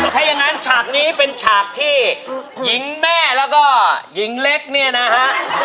ถ้าอย่างนั้นฉากนี้เป็นฉากที่หญิงแม่แล้วก็หญิงเล็กเนี่ยนะฮะ